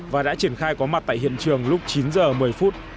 và đã triển khai có mặt tại hiện trường lúc chín giờ một mươi phút